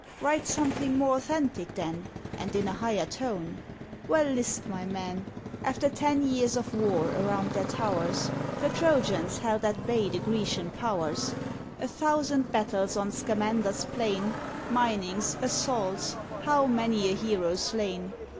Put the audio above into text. Write something more authentic then, And in a higher tone." Well, list, my men! After ten years of war around their towers, The Trojans held at bay the Grecian powers; A thousand battles on Scamander's plain, Minings, assaults, how many a hero slain!